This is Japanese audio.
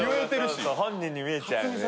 本人に見えちゃうよね。